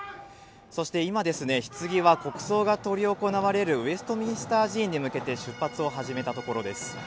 そして今、ひつぎは国葬が執り行われるウェストミンスター寺院に向けて出発を始めたところです。